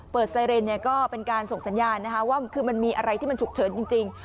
เปิดไซเรนก็เป็นการส่งสัญญาณว่ามันมีอะไรที่มันฉุกเฉินจริง